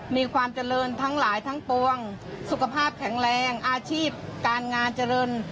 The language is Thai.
มีความเจริญทั้งหลายทั้งปวงสุขภาพแข็งแรงอาชีพการงานเจริญ